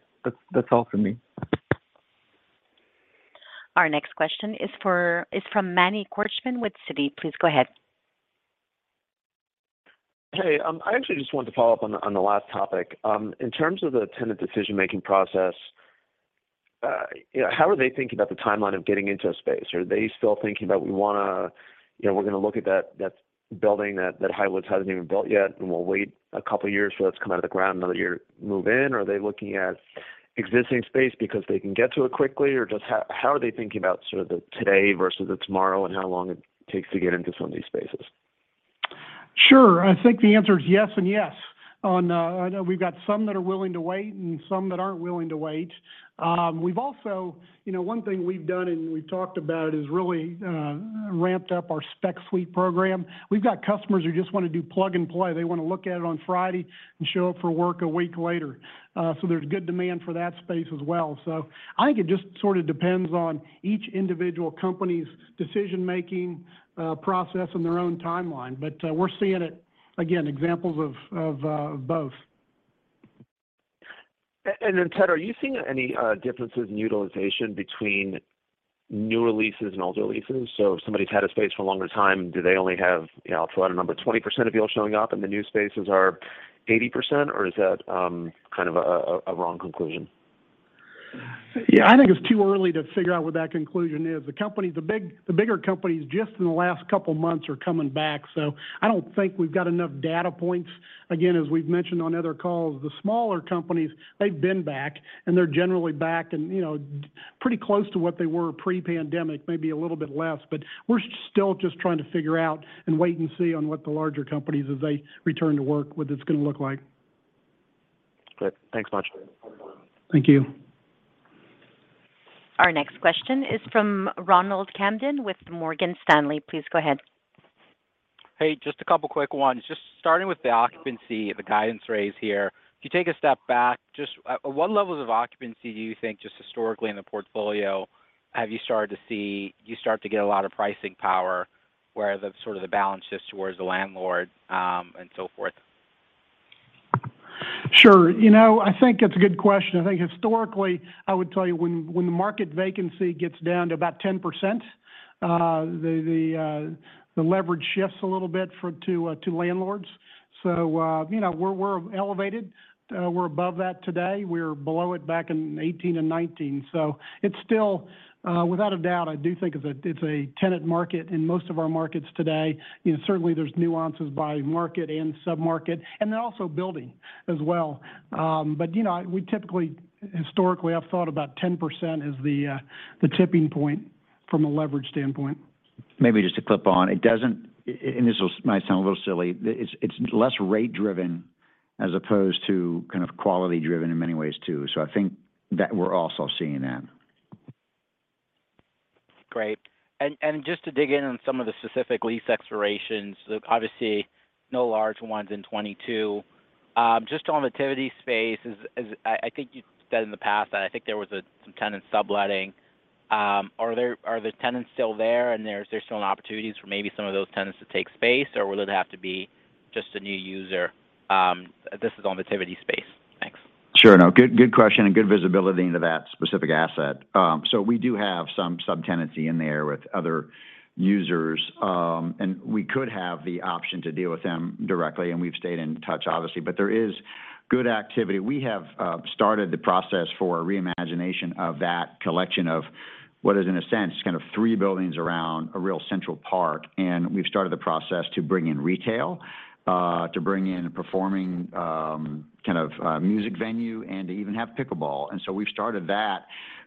That's all for me.
Our next question is from Manny Khosbin with Citi. Please go ahead.
Hey. I actually just wanted to follow up on the last topic. In terms of the tenant decision-making process, you know, how are they thinking about the timeline of getting into a space? Are they still thinking that we wanna, you know, we're gonna look at that building that Highwoods hasn't even built yet, and we'll wait a couple years for it to come out of the ground, another year to move in? Or are they looking at existing space because they can get to it quickly? Or just how are they thinking about sort of the today versus the tomorrow and how long it takes to get into some of these spaces?
Sure. I think the answer is yes and yes. On, I know we've got some that are willing to wait and some that aren't willing to wait. We've also. You know, one thing we've done and we've talked about is really ramped up our spec suite program. We've got customers who just wanna do plug and play. They wanna look at it on Friday and show up for work a week later. There's good demand for that space as well. I think it just sort of depends on each individual company's decision-making process and their own timeline. We're seeing it, again, examples of both.
Ted, are you seeing any differences in utilization between new leases and older leases? If somebody's had a space for a longer time, do they only have, you know, I'll throw out a number, 20% of people showing up and the new spaces are 80%, or is that kind of a wrong conclusion?
Yeah. I think it's too early to figure out what that conclusion is. The bigger companies just in the last couple months are coming back. I don't think we've got enough data points. Again, as we've mentioned on other calls, the smaller companies, they've been back, and they're generally back and, you know, pretty close to what they were pre-pandemic, maybe a little bit less. We're still just trying to figure out and wait and see on what the larger companies as they return to work, what it's gonna look like.
Great. Thanks much.
Thank you.
Our next question is from Ronald Kamdem with Morgan Stanley. Please go ahead.
Hey, just a couple quick ones. Just starting with the occupancy, the guidance raise here. If you take a step back, just at what levels of occupancy do you think just historically in the portfolio have you started to get a lot of pricing power, where the sort of the balance shifts towards the landlord, and so forth?
Sure. You know, I think it's a good question. I think historically, I would tell you when the market vacancy gets down to about 10%, the leverage shifts a little bit to landlords. You know, we're elevated. We're above that today. We're below it back in 2018 and 2019. It's still without a doubt, I do think it's a tenant market in most of our markets today. You know, certainly there's nuances by market and sub-market, and then also building as well. Historically, I've thought about 10% as the tipping point from a leverage standpoint. Maybe just to clip on. It might sound a little silly. It's less rate-driven as opposed to kind of quality-driven in many ways too. I think that we're also seeing that.
Great. Just to dig in on some of the specific lease expirations, obviously no large ones in 2022. Just on the Tivity space, as I think you said in the past, I think there was some tenant subletting. Are the tenants still there, and there's still opportunities for maybe some of those tenants to take space, or will it have to be just a new user? This is on the Tivity space. Thanks.
Sure. No. Good question, and good visibility into that specific asset. We do have some subtenancy in there with other users. We could have the option to deal with them directly, and we've stayed in touch, obviously. There is good activity. We have started the process for a reimagination of that collection of what is, in a sense, kind of three buildings around a real central park. We've started the process to bring in retail, to bring in a performing kind of music venue and to even have pickleball. We've started that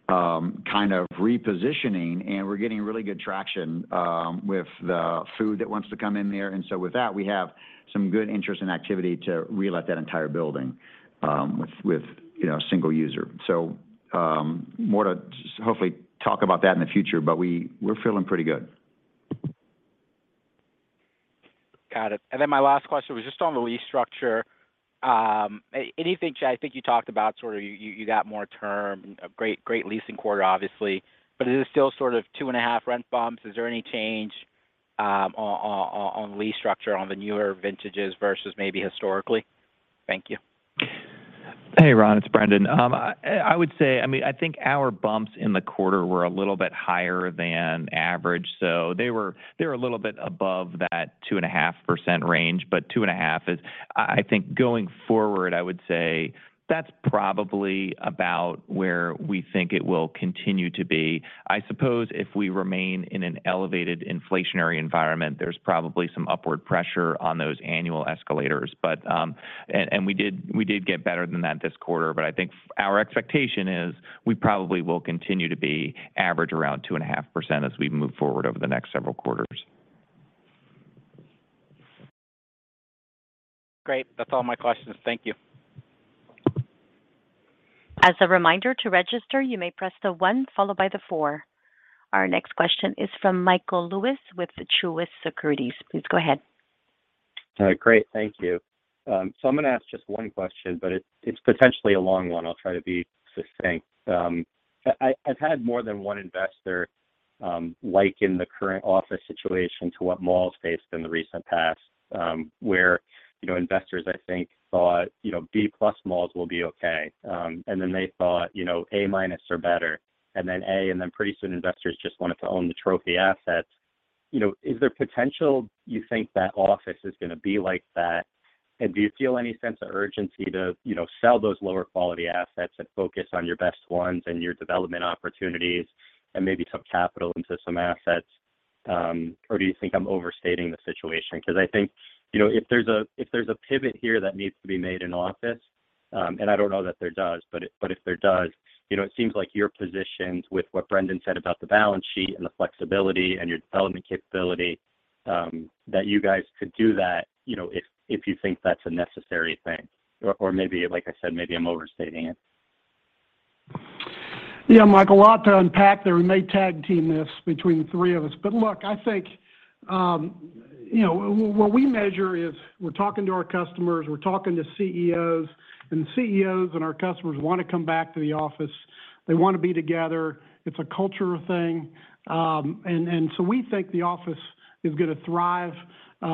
kind of repositioning, and we're getting really good traction with the food that wants to come in there. With that, we have some good interest and activity to relet that entire building with, you know, a single user. more to hopefully talk about that in the future, but we're feeling pretty good.
Got it. My last question was just on the lease structure. Anything, Chad, I think you talked about sort of you got more term, a great leasing quarter, obviously. Is it still sort of 2.5 rent bumps? Is there any change on lease structure on the newer vintages versus maybe historically? Thank you.
Hey, Ronald, it's Brendan. I would say, I mean, I think our bumps in the quarter were a little bit higher than average, so they were a little bit above that 2.5% range. Two and a half is. I think going forward, I would say that's probably about where we think it will continue to be. I suppose if we remain in an elevated inflationary environment, there's probably some upward pressure on those annual escalators. We did get better than that this quarter. I think our expectation is we probably will continue to be average around 2.5% as we move forward over the next several quarters.
Great. That's all my questions. Thank you.
As a reminder to register, you may press the one followed by the four. Our next question is from Michael Lewis with Truist Securities. Please go ahead.
Great. Thank you. So I'm gonna ask just one question, but it's potentially a long one. I'll try to be succinct. I've had more than one investor liken the current office situation to what malls faced in the recent past, where, you know, investors, I think, thought, you know, B plus malls will be okay. And then they thought, you know, A-minus are better and then A, and then pretty soon investors just wanted to own the trophy assets. You know, is there potential you think that office is gonna be like that? And do you feel any sense of urgency to, you know, sell those lower quality assets and focus on your best ones and your development opportunities and maybe some capital into some assets? Or do you think I'm overstating the situation? Cause I think, you know, if there's a pivot here that needs to be made in office, and I don't know that there does, but if there does, you know, it seems like your positions with what Brendan said about the balance sheet and the flexibility and your development capability, that you guys could do that, you know, if you think that's a necessary thing. Or maybe, like I said, maybe I'm overstating it.
Yeah, Michael, a lot to unpack there. We may tag team this between the three of us. Look, I think, you know, what we measure is we're talking to our customers, we're talking to CEOs, and the CEOs and our customers wanna come back to the office. They wanna be together. It's a cultural thing. We think the office is gonna thrive.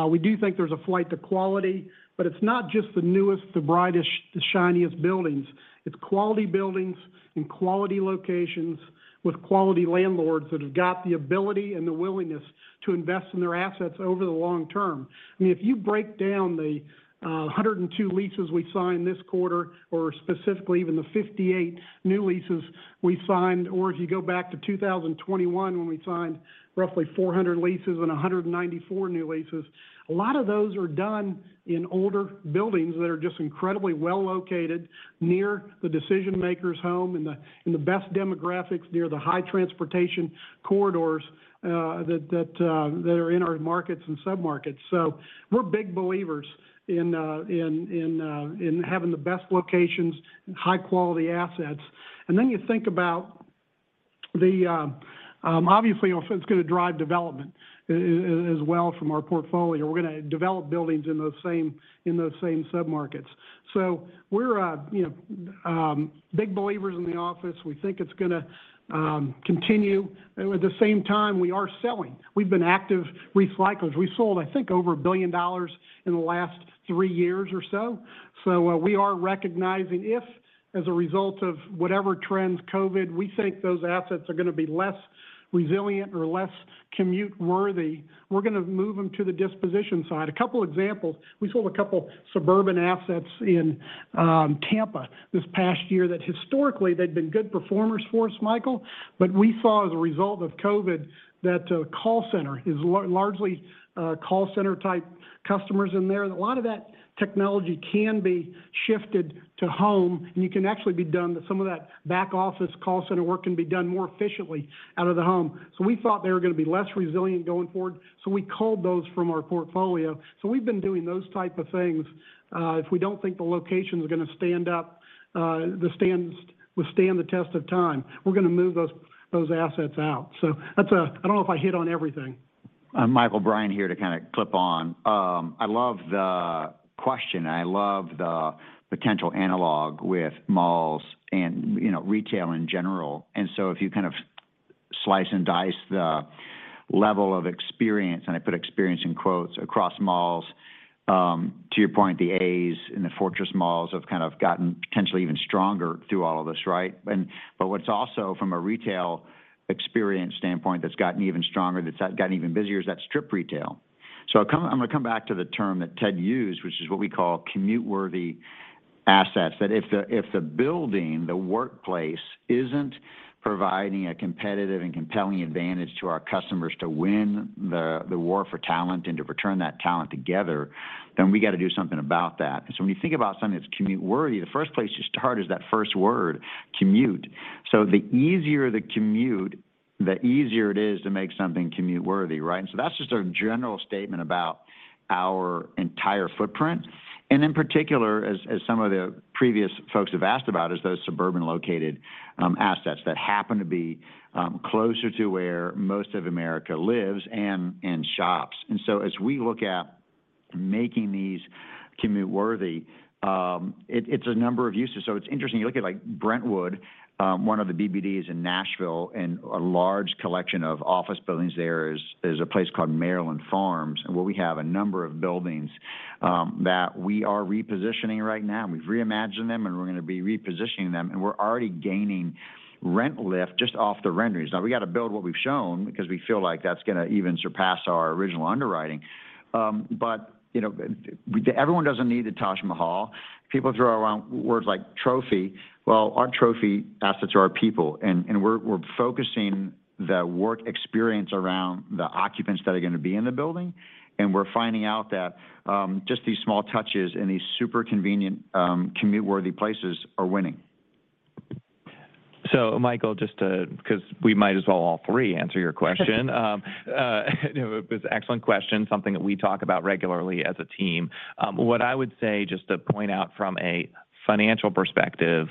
We do think there's a flight to quality, but it's not just the newest, the brightest, the shiniest buildings. It's quality buildings in quality locations with quality landlords that have got the ability and the willingness to invest in their assets over the long term. I mean, if you break down the 102 leases we signed this quarter or specifically even the 58 new leases we signed, or if you go back to 2021 when we signed roughly 400 leases and a 194 new leases, a lot of those are done in older buildings that are just incredibly well located near the decision-makers' home, in the best demographics, near the high transportation corridors, that are in our markets and submarkets. So we're big believers in having the best locations and high-quality assets. Then you think about the obviously office is gonna drive development as well from our portfolio. We're gonna develop buildings in those same submarkets. So we're you know big believers in the office. We think it's gonna continue. At the same time, we are selling. We've been active recyclers. We sold, I think, over $1 billion in the last three years or so. We are recognizing if, as a result of whatever trends COVID, we think those assets are gonna be less resilient or less commute worthy, we're gonna move them to the disposition side. A couple examples. We sold a couple suburban assets in Tampa this past year that historically they'd been good performers for us, Michael. We saw as a result of COVID that a call center is largely call center type customers in there. A lot of that technology can be shifted to home, and it can actually be done. Some of that back office call center work can be done more efficiently out of the home. We thought they were gonna be less resilient going forward, so we culled those from our portfolio. We've been doing those type of things. If we don't think the location's gonna stand up, withstand the test of time, we're gonna move those assets out. That's. I don't know if I hit on everything.
Michael, Brian here to kind of chime in. I love the question. I love the potential analog with malls and, you know, retail in general. If you kind of slice and dice the level of experience, and I put experience in quotes, across malls, to your point, the A's in the fortress malls have kind of gotten potentially even stronger through all of this, right? But what's also from a retail experience standpoint that's gotten even stronger, that's gotten even busier is that strip retail. I'm gonna come back to the term that Ted used, which is what we call commute-worthy assets, that if the building, the workplace isn't providing a competitive and compelling advantage to our customers to win the war for talent and to return that talent together, then we gotta do something about that. When you think about something that's commute-worthy, the first place you start is that first word, commute. The easier the commute, the easier it is to make something commute-worthy, right? That's just a general statement about our entire footprint. In particular, as some of the previous folks have asked about is those suburban located assets that happen to be closer to where most of America lives and shops. As we look at making these commute-worthy, it's a number of uses. It's interesting, you look at like Brentwood, one of the BBDs in Nashville and a large collection of office buildings there is a place called Maryland Farms. Where we have a number of buildings that we are repositioning right now, and we've reimagined them, and we're gonna be repositioning them. We're already gaining rent lift just off the renderings. Now, we got to build what we've shown because we feel like that's gonna even surpass our original underwriting. You know, everyone doesn't need the Taj Mahal. People throw around words like trophy. Well, our trophy assets are our people. We're focusing the work experience around the occupants that are gonna be in the building. We're finding out that just these small touches in these super convenient, commute-worthy places are winning.
Michael, 'cause we might as well all three answer your question. It was excellent question, something that we talk about regularly as a team. What I would say, just to point out from a financial perspective,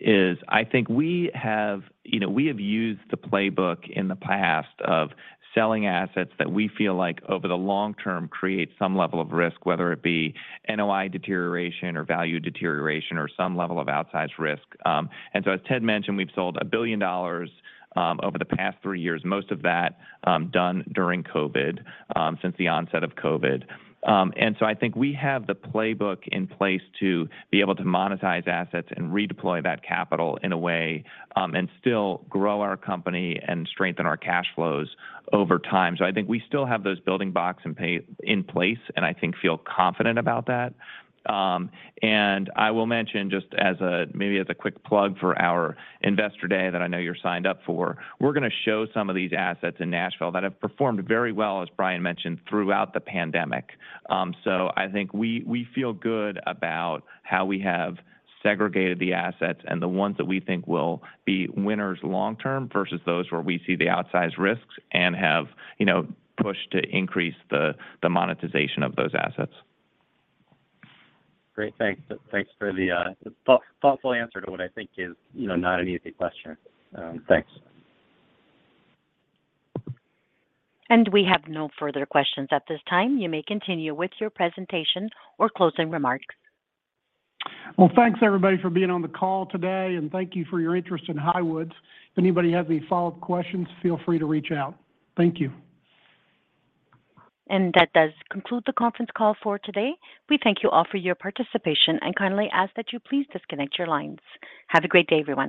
is I think we have, you know, we have used the playbook in the past of selling assets that we feel like over the long term create some level of risk, whether it be NOI deterioration or value deterioration or some level of outsized risk. And so as Ted mentioned, we've sold $1 billion over the past three years, most of that done during COVID, since the onset of COVID. I think we have the playbook in place to be able to monetize assets and redeploy that capital in a way, and still grow our company and strengthen our cash flows over time. I think we still have those building blocks in place, and I think feel confident about that. I will mention just as a maybe as a quick plug for our investor day that I know you're signed up for. We're gonna show some of these assets in Nashville that have performed very well, as Brian mentioned, throughout the pandemic. I think we feel good about how we have segregated the assets and the ones that we think will be winners long term versus those where we see the outsized risks and have, you know, pushed to increase the monetization of those assets.
Great. Thanks. Thanks for the thoughtful answer to what I think is, you know, not an easy question. Thanks.
We have no further questions at this time. You may continue with your presentation or closing remarks.
Well, thanks everybody for being on the call today, and thank you for your interest in Highwoods. If anybody has any follow-up questions, feel free to reach out. Thank you.
That does conclude the conference call for today. We thank you all for your participation, and kindly ask that you please disconnect your lines. Have a great day, everyone.